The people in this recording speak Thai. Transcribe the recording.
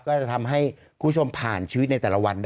ก็จะทำให้คุณผ่านชีวิตในแต่ละวันได้